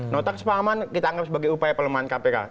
notak sepahaman kita anggap sebagai upaya pelemahan kpk